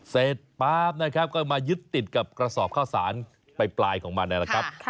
ป๊าบนะครับก็มายึดติดกับกระสอบข้าวสารไปปลายของมันนะครับ